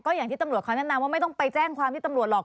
อย่างที่ตำรวจเขาแนะนำว่าไม่ต้องไปแจ้งความที่ตำรวจหรอก